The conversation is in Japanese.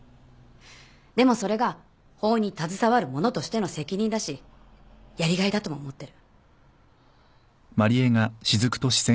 でもそれが法に携わる者としての責任だしやりがいだとも思ってる。